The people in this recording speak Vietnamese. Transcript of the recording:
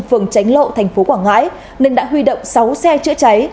phường chánh lộ tp quảng ngãi nên đã huy động sáu xe chữa cháy